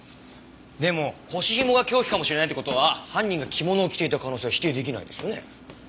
でも腰紐が凶器かもしれないって事は犯人が着物を着ていた可能性は否定出来ないですよね？